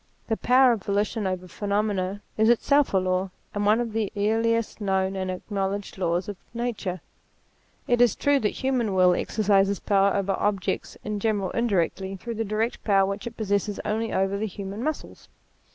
The power of volitions over phenomena is itself a law, and one of the earliest known and acknowledged laws of nature. It is true, the human will exercises power over objects in general indirectly, through the direct power which it possesses only over the human muscles.